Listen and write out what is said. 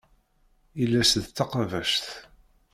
Iles d taqabact.